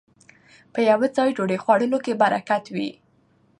په يوه ځای ډوډۍ خوړلو کې برکت وي